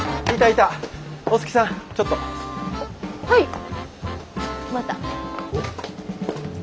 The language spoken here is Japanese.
はい。